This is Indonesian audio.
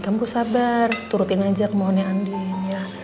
kamu harus sabar turutin aja kemauannya andin ya